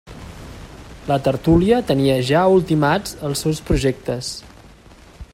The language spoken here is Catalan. La tertúlia tenia ja ultimats els seus projectes.